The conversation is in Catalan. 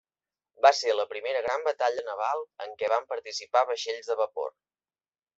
Va ser la primera gran batalla naval en què van participar vaixells de vapor.